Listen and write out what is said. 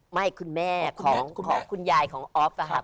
ไม่คุณแม่ของคุณยายของออฟค่ะ